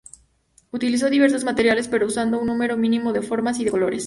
Utilizó diversos materiales pero usando un número mínimo de formas y de colores.